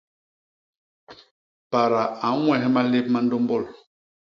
Pada a ññwes malép ma ndômbôl.